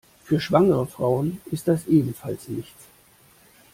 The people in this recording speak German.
Für schwangere Frauen ist das ebenfalls nichts.